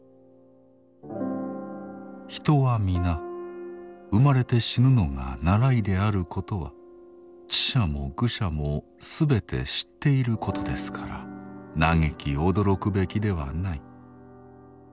人は皆生まれて死ぬのが習いであることは智者も愚者もすべて知っていることですから嘆き驚くべきではない。